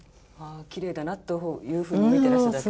きれいだなというふうに見てらっしゃるだけ。